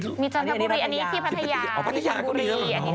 อันนี้ที่พัทยาอันนี้ที่ชวนบุรี